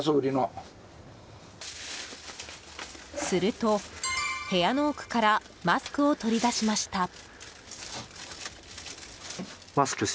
すると、部屋の奥からマスクを取り出しました。